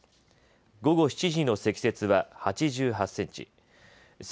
午後７時の積雪は８８センチ。